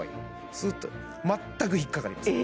スーッと全く引っ掛かりません